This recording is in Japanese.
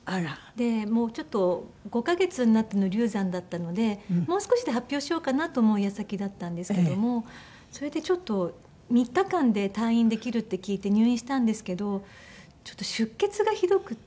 でちょっと５カ月になっての流産だったのでもう少しで発表しようかなと思う矢先だったんですけども。それで３日間で退院できるって聞いて入院したんですけどちょっと出血がひどくて。